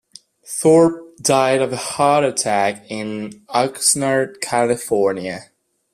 Thorp died of a heart attack in Oxnard, California.